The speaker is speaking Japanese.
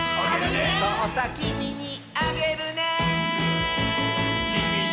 「そうさきみにあげるね」